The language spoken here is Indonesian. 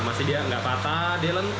masih dia nggak patah dia lentur banget